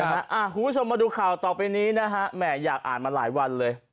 คุณผู้ชมมาดูข่าวต่อไปนี้นะฮะแหมอยากอ่านมาหลายวันเลย